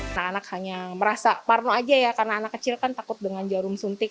anak anak hanya merasa parno aja ya karena anak kecil kan takut dengan jarum suntik